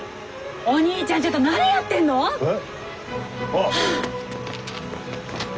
お兄ちゃんちょっと何やってんの！？え？ああ。